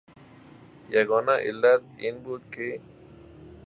یگانه علت این بود که...